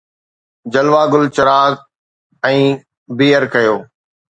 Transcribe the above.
جلوه گل چراغ ۽ بيئر ڪيو